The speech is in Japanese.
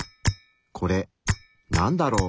これなんだろう？